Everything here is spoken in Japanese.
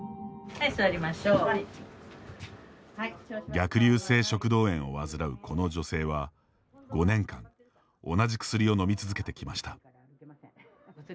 逆流性食道炎を患うこの女性は５年間、同じ薬を飲み続けてきました。